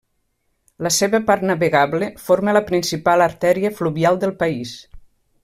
La seva part navegable forma la principal artèria fluvial del país.